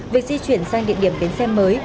việc di chuyển sang địa điểm bến xe mới